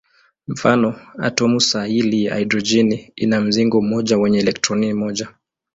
Mfano: atomu sahili ya hidrojeni ina mzingo mmoja wenye elektroni moja tu.